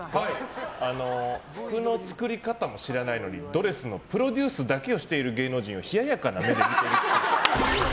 服の作り方も知らないのにドレスのプロデュースだけをしている芸能人を冷ややかな目で見てるっぽい。